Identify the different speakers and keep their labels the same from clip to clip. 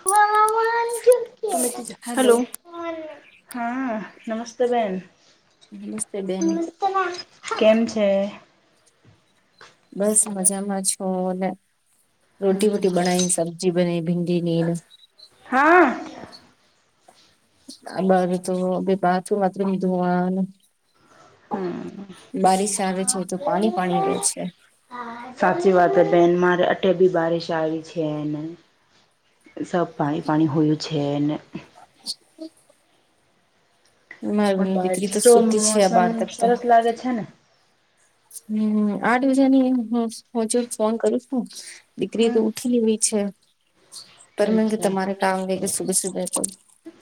Speaker 1: હ [unintelligible] હલો હા નમસ્તે બેન.
Speaker 2: નમસ્તે બેન
Speaker 1: કેમ છે.
Speaker 2: બસ મજામાં છું અને રોટી વોટી બનાવી સબ્જી બની ભીંડી. તે નેના સમ
Speaker 1: હા.
Speaker 2: બર તો ભ પાછું માત્રી જોવા.
Speaker 1: હમ
Speaker 2: બારિશ આવે છે તો પાણી પાણી રહે છે.
Speaker 1: સાચી વાત હ બેન મારે અટે બી બારીશ આવી છે એને. સબ પાણી પાણી હોયું છે અને
Speaker 2: હમ [unintelligible] માર
Speaker 1: પણ
Speaker 2: દીકરી તો
Speaker 1: બારિશો
Speaker 2: સુતી છે આ
Speaker 1: મોસમ
Speaker 2: બાર તક તો
Speaker 1: સરસ લાગે છે ને
Speaker 2: હમ આઠ વાજાની હું પોચ ફોન કરીશ હું. દીકરી તો
Speaker 1: હમ
Speaker 2: ઉઠીવી છે. પર મે કે
Speaker 1: અચ્છા
Speaker 2: તમારે કામ લે કે સુબે સુબે તો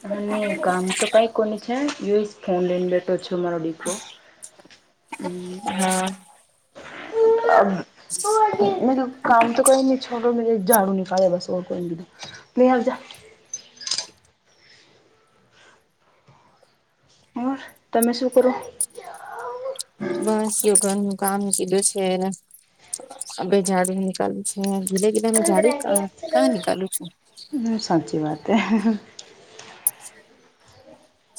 Speaker 1: હ નહી કામ. તો કઈ કોની છે યુએસ ફાઉન્ લેન બેઠો છ મારો દીકરો હ
Speaker 2: હમ
Speaker 1: હ [unintelligible] મેું કામ તો કોઈ ન છો મે ઝાડુ નની ખાે બસ કોઈધ હજ. ઓર તમે શું કરો.
Speaker 2: બસ ઘરનું કામ કીધું છે બે ચાવી નીકાલવું છે. હ ગીધા કીધે મે ક ક્આ નીકાલું છું
Speaker 1: સાંચી વાત.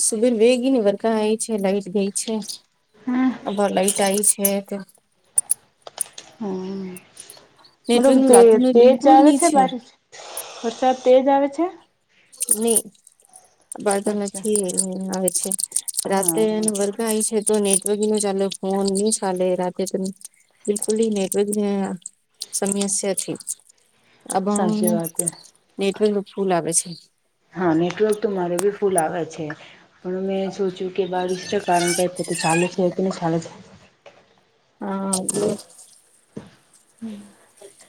Speaker 2: સુબેર વેગી ને વરખા આય છે, લાઈટ ગઈ છે.
Speaker 1: હમ.
Speaker 2: અબાર લાઈટા આવી છે ક
Speaker 1: હમ
Speaker 2: નેટવર્ક
Speaker 1: મતલબ
Speaker 2: નું
Speaker 1: તે
Speaker 2: રાત ન
Speaker 1: તેજ
Speaker 2: બિલકુલ
Speaker 1: આવે
Speaker 2: નહી
Speaker 1: છે બારીશ વરસાદ તેજ આવે છે.
Speaker 2: નહી અબાળ તો
Speaker 1: અચ્છા.
Speaker 2: નથી આવે છે
Speaker 1: હા
Speaker 2: રાતે ન વર્ગ કઈ છે તો નેટવર્કિંગ ની ચાલે ફોન નહી ચાલે રાત્રતે તો બિલકુલી નેટવેગ આ સમસ્યા છે. આ
Speaker 1: સાચી
Speaker 2: બણુ
Speaker 1: વાત હે
Speaker 2: નેટવર્ક ફૂલ આવે છે.
Speaker 1: હા નેટવર્ક તો મારે બી ફૂલ આવે છે. પણ મેં સોચ્યું કે બારીસ રા કારણ કઈ પોતો ચાલે છે કેને ચાલે છે.
Speaker 2: હા એટલે
Speaker 1: હમ
Speaker 2: હ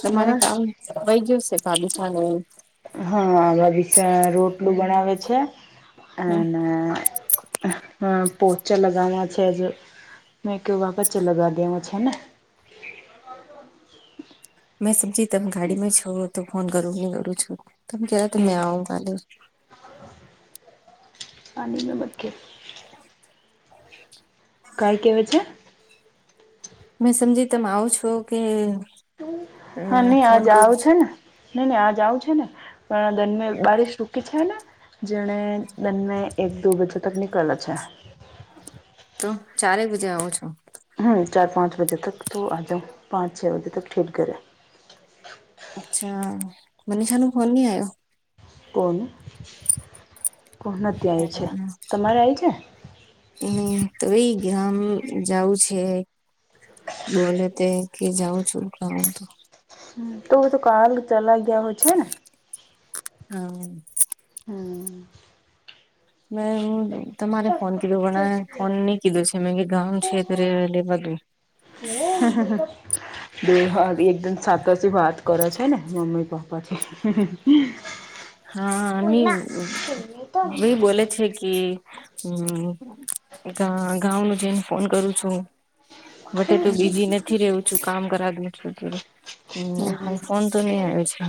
Speaker 2: તમારે
Speaker 1: ઓર?
Speaker 2: કામ થ [unintelligible] ભાબીસા નું
Speaker 1: હા અ ભાભી સા રોટલું બનાવે છે અને હ પોચા લગવા છે જે મે ક્યુ વા પચે લગા દેવા છે ને
Speaker 2: મેં સમજી તમે ગાડીમાં છો તો ફોન કરું કરું છું તમે કેવા
Speaker 1: હમ.
Speaker 2: મેં આવું કાલે
Speaker 1: પાણી મેં મત ખેલ
Speaker 2: [inaudible]
Speaker 1: કાઈ કેવે છે
Speaker 2: મેં સમજી તમે આવો છો કે અ
Speaker 1: હા નહી
Speaker 2: ફોન
Speaker 1: આજ
Speaker 2: કરું
Speaker 1: આવ છે
Speaker 2: છું
Speaker 1: ને નઈ નહી આ જાવ છે ને પણ દંનમે બારીશ રૂકી છે ને જેણે દંનમે એક દો બજો તક નીકળે છે.
Speaker 2: તો ચારે બજે આવો છો
Speaker 1: હ ચાર પાંચ બજે તક તો આ જાઓ પાંચ છ બજે તક ઠીટ ઘેરે
Speaker 2: અચ્છા મનીષા નું ફોન નહી આયો.
Speaker 1: કોનું કો નથી ત્યાય છે તમારે આવી છે.
Speaker 2: એ તો એ ગામ જવું છે. બોલે તે કે જાઉ છું ખાઉ તો
Speaker 1: હ તો તો કાલ ચલા ગયા હોય છે ને
Speaker 2: હમ
Speaker 1: હમ
Speaker 2: મે તમારે ફોન કીધું વણા ફોન ની કીધું છે મે ગામ ઉન ક્ષે ત્રલે બધુલ
Speaker 1: હ હ હ દ હા એક દન સાત અશે ભાત કર છ ન મમ્મી પાપ્પાથી
Speaker 2: હા અ ની વેઈ બોલે છે કે હમ ગા ગાંમ ન જઈને ફોન કરું છું. વટે તો બીજી નથી રવું છું કામ કરા દઉ છું હમ હ ફોન તો નઈ આવ્યો છે.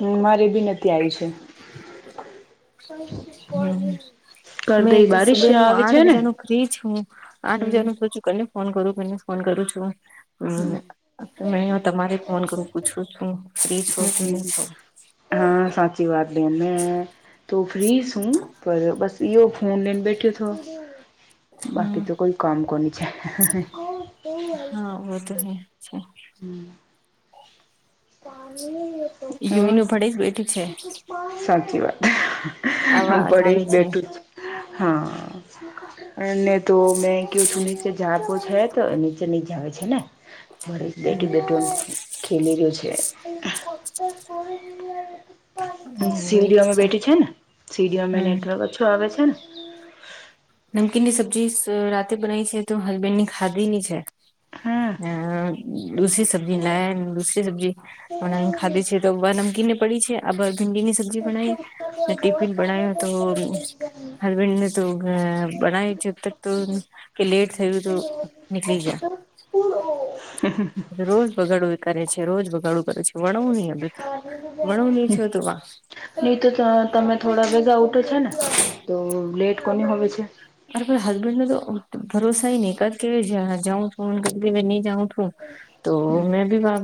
Speaker 1: હમ મારે ભી નથી આવી છે. પૈ શી પ
Speaker 2: હમ
Speaker 1: [unintelligible]
Speaker 2: મેં તો સુબેનું આઠ બજાનું ફ્રી છું આઠ
Speaker 1: હમ
Speaker 2: વાજાનું પાચું કને ફોન કરું કને ફોન કરું છું. હમ મે તમારે ફોન કરું પૂછું છું ફ્રી છો કે નહી
Speaker 1: હમ
Speaker 2: છો?
Speaker 1: હા સાચી વાત લે મે તો ફ્રી છું પર બસ યો ફોન લેને બેઠો તો
Speaker 2: હમ
Speaker 1: બાકી તો કોઈ કામ કોની છે.
Speaker 2: હા ઓ તો હે છે યુવી ને ભળે જ બેઠી છે.
Speaker 1: સાચી વાત
Speaker 2: આવાજ
Speaker 1: પડે
Speaker 2: આવે
Speaker 1: જ
Speaker 2: છે
Speaker 1: બેઠું હા અ તો મેં ક ું નીચે જાગો છે તો એ નીચે ની જ આવે છે ને ભરી બેઠ
Speaker 2: હમ
Speaker 1: બેઠો ખેલી રહ્યું છે હો સીડીઓમાં બેઠી છે ને સીડીઓમાં
Speaker 2: હમ
Speaker 1: નેટવર્ક ઓછું આવે છે ને
Speaker 2: નમકીન ની સબ્જી રાતે બનાવી છે તો હસબેન્ડ ની ખાધી ની છે
Speaker 1: હમ
Speaker 2: હ દૂસરી સબ્જી લ દૂસરી સબ્જી પણ ખાધી છે તો નમકી ને પડી છે આ બ ભીંડી ની સબ્જી બનાવી ને ટિફિન બણ તો હસબેન્ડને તો અ બનાવી છેત તો કે લેટ થયું તો નીકળી જા
Speaker 1: હ
Speaker 2: રોજ બગાડવું કરે છે રોજ બગાડું કરે છે વણવ નહી બધું વણું નહી છે તોું વા
Speaker 1: નહી તો તમે થોડા ભેગા ઉઠો છે ને તો લેટ કોની હોવે છે.
Speaker 2: અરે કોઈ હસબેન્ડ ન તો ભરોસા નહીં ક કે જાઉં ફોન કર કે નઈ જાઉ હ તો મેં ભી વા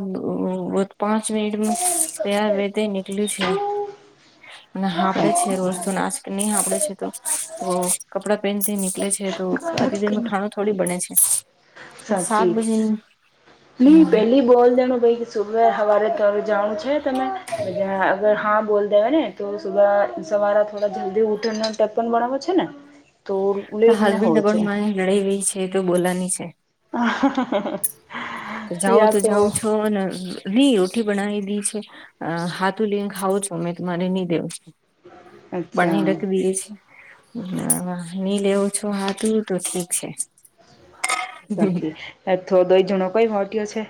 Speaker 2: પાંચ મિનિટનું તૈયાર વેદે નીકળ્યું છે અને સાાડે છે રોજ તો નાસ્ કે નહી સાંડે છે તો કપડા ેન થી નીકળે છે તો આતીધમાં ખાણું થોડી બને છે સાત
Speaker 1: સાચી
Speaker 2: બજે
Speaker 1: નહી
Speaker 2: હમ
Speaker 1: પેલી બોલ દણો ભાઈ સુ હવારે તો જાાણું છે તમે અગર હા બોલ દેવા ને તો સવારા થોડા જલ્દી ઉઠરનો ટેપ પણ ભણાવો છે ને તો લેટ
Speaker 2: હાલ
Speaker 1: ના
Speaker 2: બ
Speaker 1: હોય
Speaker 2: પણ
Speaker 1: છે
Speaker 2: મારી લડાઈ રહી છે તો બોલાવાની છે.
Speaker 1: હા.
Speaker 2: તો જાઓ તો જાઉ છો ને રોટી બનાવી દી છે હાથું લિંગ ખાવ છો અમે તમારે નહી દેવ છ.
Speaker 1: અચ્છા
Speaker 2: બણવી રાખવીે છે હ વા ની લ એવ છો હાથું તો ઠીક છે
Speaker 1: સાચી થો દો એ જૂણો કઈ મોટયો છે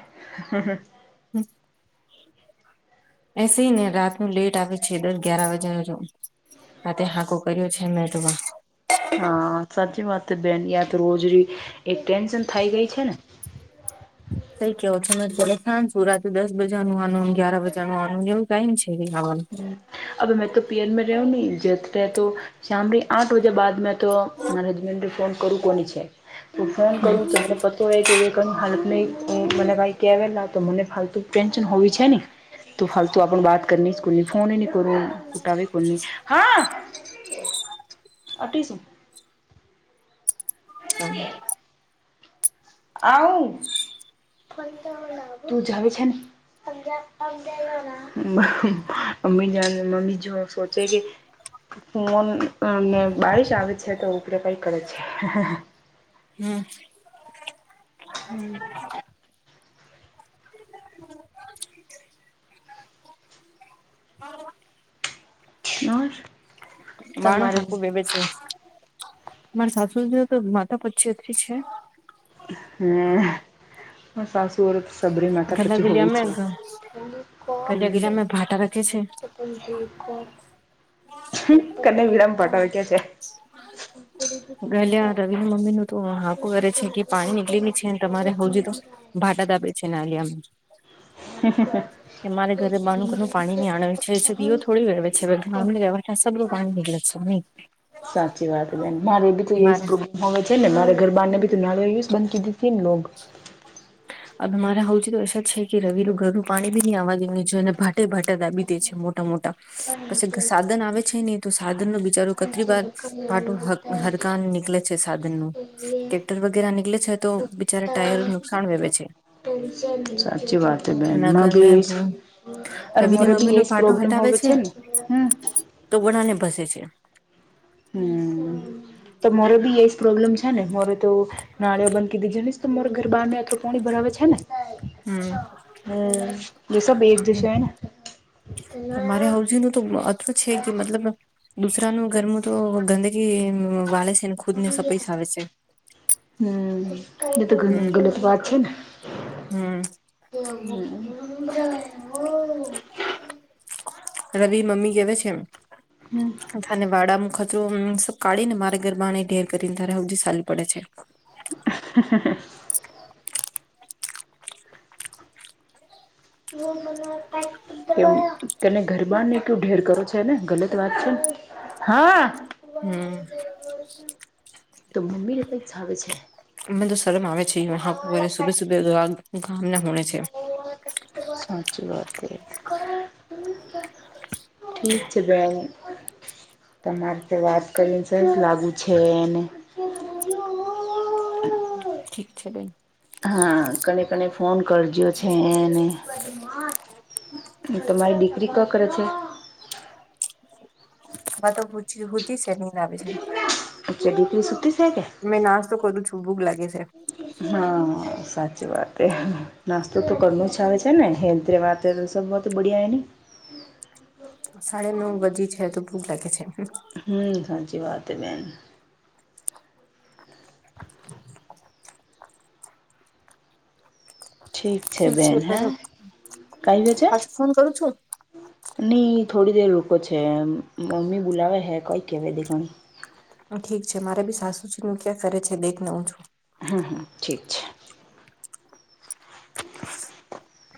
Speaker 2: હમ એસે ને રાત ન લેટ આવે છે દસ ગ્યાર વાગે ન જવું આ તે હાંકું કર્યું છે મેટમાં
Speaker 1: હ સાચી વાત બેન યા તો રોજરી એ ટેન્શન થઈ ગઈ છે ને
Speaker 2: થઈ કેવો છો ચ સાં છું રાત દસ બજાનું આનુંને ગયાર બજાનું આનું એવું ટાઈમ છે એ હનું
Speaker 1: અવે મેં તો પિયર મે રહ હું ન જત રહેતો શામની આઠ વાજે બાદ મે તો મારા હજબન્ડે ફોન કરવું કોની છેું ફોન
Speaker 2: હમ
Speaker 1: કરું તો મને પ કે ક હાલત ન મને કઈ કેવાલા તો મને ફાલતુ ટેન્શન હોવી છે ને તું ફાલતુ આપણ બાત કરની સ્કૂલની ફોન ન કરું પુટાવવે કોલની હા. અઠીસું
Speaker 2: હ
Speaker 1: આવ તું જ છે મમી મમી જો સોચે કે નને બારીિશ આવે છે તો ઉપરે કઈ કરે છે
Speaker 2: હમ
Speaker 1: હમ
Speaker 2: હ માણ
Speaker 1: તમારે
Speaker 2: હાકું ભેગે છે. મારે સાસુજીને તો માતા પચી થી છે.
Speaker 1: હમ્મ માર સાસુ બધ સબરી માતા
Speaker 2: ગલા
Speaker 1: પછી હોવી
Speaker 2: ગલિયામે
Speaker 1: છે.
Speaker 2: ગલિયા ગલિયામે ભાટા રાખે છે
Speaker 1: કલ વિડામ પાટ ક્યા છે?
Speaker 2: ગલ્યા રવિ ના મમીનું તો હાકુ કરે છે કે પાણી નીકળેની છે તમારે હજી તો ભાટાત આપે છે નાલિયામાં.
Speaker 1: હ હ
Speaker 2: એ મારે ઘરે બાનુંકનું પાણી ની આણદ છે દીઓ થોડી રહેવે છે હવે ઘર રહેવા એ સબરુ પાણી નીકળે છે મી
Speaker 1: સાચી વાત બેન મારે દીકરી સ્કુ હવે છે ને મારે ઘર બારને બી તું નારળયું જ બનતી દીધી છે ને લો
Speaker 2: હવે મારા હજી તો અશા જ છે કે રવિનું ઘરનું પાણી બી નહી આવા દેને જો ને ભા ભાટા બીધે છે મોટા મોટા પછી સાધન આવે છે ને તો સાધન ન બી બચારું કેટલી વાર પાટું હરકાન નીકળે છે સાધન નું. ટેક્ટર વગેરે નીકળે છે તો જ્યારે ટાયર નુકસાન વેવે છે,
Speaker 1: સાચી વાત હે બેન
Speaker 2: અને
Speaker 1: માં
Speaker 2: અગર મે
Speaker 1: બી
Speaker 2: બૂ
Speaker 1: અરે
Speaker 2: રવિ ને
Speaker 1: મોરે બી
Speaker 2: મમ્મી નો
Speaker 1: એજ
Speaker 2: ફાટો
Speaker 1: પ્રોબ્લેમ
Speaker 2: હટાવે
Speaker 1: હોવે
Speaker 2: છે
Speaker 1: ને હમ
Speaker 2: તો વડાને ભસે છે.
Speaker 1: હમ્મ. તો મારો બી પ્રોબ્લેમ છે ને મારો તો નાળિઓ બંધ કી દીધ ને તમાર ઘર બહાર આ પાણી ભરાવે છે ને?
Speaker 2: હમ
Speaker 1: હમ્મ એ સબ એક જશેન.
Speaker 2: અરે હવજી નું અથવ છે કે મતલબ દુસરાનું ઘરમું તો ગંદકી વાળે છેન. ખુદ ને સપૈસ આવે છે.
Speaker 1: હમ્મ એ તો
Speaker 2: હમ
Speaker 1: ઘરનું ગલત વાત છે ને.
Speaker 2: હમ
Speaker 1: એ
Speaker 2: રવિ મમ્મી કેવા છે એમ?
Speaker 1: હમ્મ.
Speaker 2: તને વાડા મુ ખતરો સબ કાઢીને મારે ગરબાને ઢેર કરીને તારે હવથી સારું પડે છે.
Speaker 1: ાા બ મજા આવતા કે તને ગરબા ને કું ઢેર કરો છે એને ગલત વાત છેન? હા.
Speaker 2: હમ્મ.
Speaker 1: તો મમ્મી ને કઈક આવે છે.
Speaker 2: અધ શરમ આવે છેરે સુબે સુબે ગામ ના હોણે છે
Speaker 1: સાચી વાત. ઠીક છે બેન. તમારે તો વાત કરીને સઈ જ લાગુ છે એને.
Speaker 2: ઠીક છે બેન.
Speaker 1: હા કને કને ફોન કરજો છેને. તમારી દીકરી કા કરે છે?
Speaker 2: વાતો હુ હુતી સે નિન આવી છે.
Speaker 1: અચ્છા દીકરી સુતી છે કે?
Speaker 2: મેં નાશ્તો કરુછુ ભુંખ લાગી છે.
Speaker 1: હા સાચી વાત એ નાસ્તો તો કરવોજ આવે છે ને હેંતે વાત. ફીર તો સબ બહુ બળિયા એ ને.
Speaker 2: સાડ નવ બજી છે તો ભૂખ લાગે છે.
Speaker 1: હમ્મ, સાચી વાત બેન. ઠીક છે બેન. હે? કઈ બેજે?
Speaker 2: પાછું ફોન કરું છું
Speaker 1: નઈ થોડી દેર રોકો છે, મમ્મી બોલાવે હે કઈ કેવા દી ઘણી.
Speaker 2: ઠીક છે મારે બી સાસુજી નું ક્યાં કરે છે દેખને હું છું.
Speaker 1: હમ હમ ઠીક છે. [unintelligible]